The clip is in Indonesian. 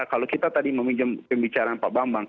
kalau kita tadi meminjam pembicaraan pak bambang